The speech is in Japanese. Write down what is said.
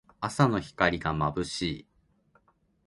朝の光がまぶしい。